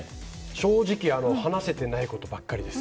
正直話せてないことばかりです。